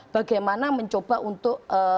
bagaimana mencoba untuk